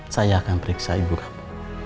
saya akan periksa ibu kamu